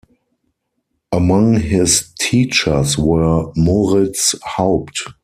Among his teachers were Moritz Haupt.